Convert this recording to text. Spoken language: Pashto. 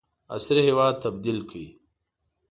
عصري هیواد تبدیل کړ.